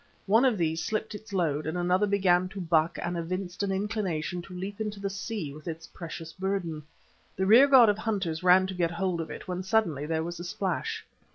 One of these slipped its load and another began to buck and evinced an inclination to leap into the sea with its precious burden. The rearguard of hunters ran to get hold of it, when suddenly there was a splash.